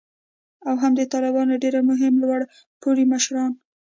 او هم د طالبانو ډیر مهم لوړ پوړي مشران